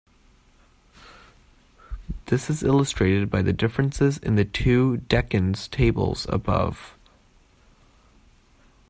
This as illustrated by the differences in the two "decans" tables above.